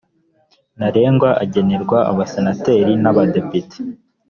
ntarengwa agenerwa abasenateri n abadepite